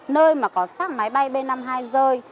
nơi mà có sát máy bay b năm mươi hai rơi